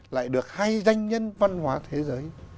lại được hai danh nhân văn hóa thế giới